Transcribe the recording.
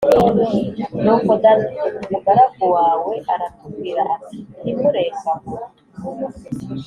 nuko data umugaragu wawe aratubwira ati nti murenge aho